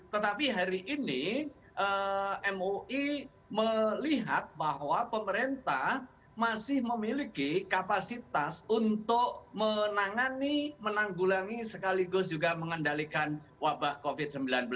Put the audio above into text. tetapi hari ini mui melihat bahwa pemerintah masih memiliki kapasitas untuk menangi sekaligus juga mengendalikan wabah covid sembilan belas